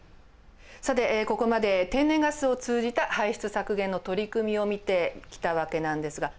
さてここまで天然ガスを通じた排出削減の取り組みを見てきたわけなんですが。